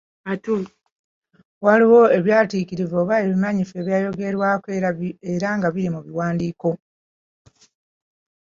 Waliwo ebyatiikirivu oba ebimanyifu ebyayogerwangako era nga biri mu biwandiiko.